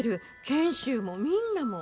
賢秀もみんなも。